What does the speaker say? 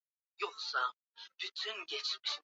Shambulizi hilo lililoua takribani raia kumi na tano